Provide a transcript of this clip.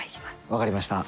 分かりました。